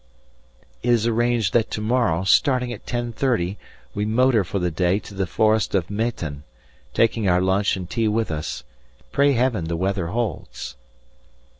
"It is arranged that to morrow, starting at 10.30, we motor for the day to the Forest of Meten, taking our lunch and tea with us pray Heaven the weather holds."